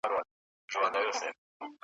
د مېړه له بدرنګیه کړېدله ,